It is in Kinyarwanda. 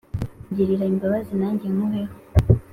Ngirira imbabazi nanjye nkuheho